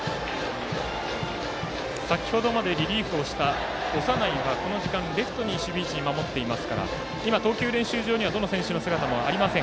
先ほどまでリリーフをした長内はこの時間レフトの守備位置を守っていますから今投球練習場にはどの選手の姿もありません。